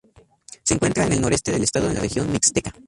Se encuentra en el noroeste del estado en la región Mixteca.